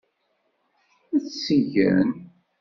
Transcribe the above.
Ad tt-gen.